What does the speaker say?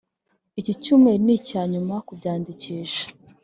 Iki cyumweru ni icya nyuma ku biyandikisha